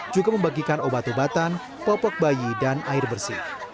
juga membagikan obat obatan popok bayi dan air bersih